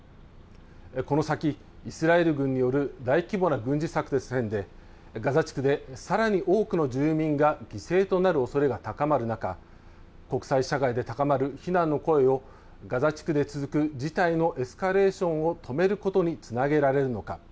この先、イスラエル軍による大規模な軍事作戦でガザ地区でさらに多くの住民が犠牲となるおそれが高まる中、国際社会で高まる非難の声をガザ地区で続く事態のエスカレーションを止めることにつなげられるのか。